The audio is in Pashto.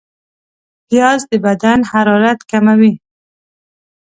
پیاز د بدن حرارت کموي